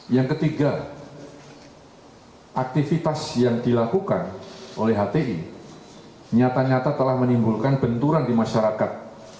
yang ketiga aktivitas yang dilakukan oleh hti nyata nyata telah menimbulkan benturan di masyarakat